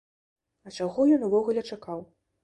А чаго ён увогуле чакаў?